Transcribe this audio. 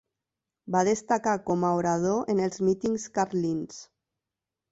Va destacar com a orador en els mítings carlins.